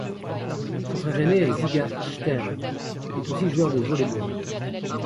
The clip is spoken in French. Son frère aîné est Žiga Štern, qui est aussi joueur de volley-ball.